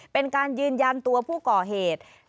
เป็นการยืนยันตัวผู้ก่อเหตุ